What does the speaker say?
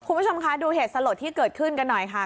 คุณผู้ชมคะดูเหตุสลดที่เกิดขึ้นกันหน่อยค่ะ